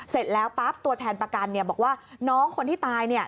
เสร็จแล้วปั๊บตัวแทนประกันบอกว่าน้องคนที่ตาย